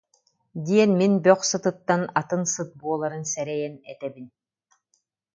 диэн мин бөх сытыттан атын сыт буоларын сэрэйэн, этэбин